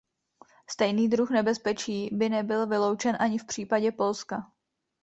Stejný druh nebezpečí by nebyl vyloučen ani v případě Polska.